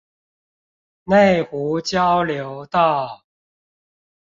內湖交流道